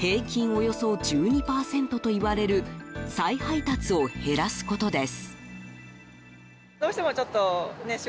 およそ１２％といわれる再配達を減らすことです。